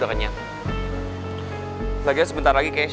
dan menyangka gue menjalin hubungan sama karin lagi